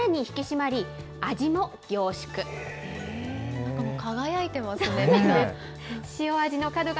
なんかもう輝いてますね、身が。